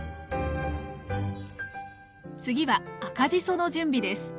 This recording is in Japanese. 次は赤じその準備です。